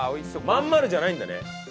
真ん丸じゃないんだね。